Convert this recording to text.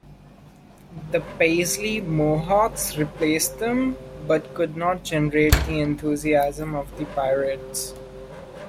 The Paisley Mohawks replaced them, but could not generate the enthusiasm of the Pirates.